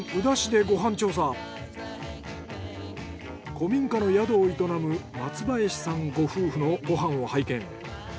古民家の宿を営む松林さんご夫婦のご飯を拝見。